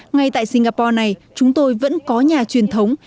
ngay tại singapore này chúng tôi vẫn có nhà truyền thống